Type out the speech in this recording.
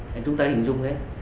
thế chúng ta hình dung thế